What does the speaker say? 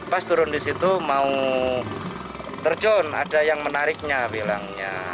pas turun di situ mau terjun ada yang menariknya bilangnya